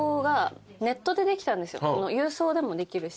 郵送でもできるし